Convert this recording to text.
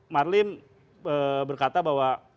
marlim berkata bahwa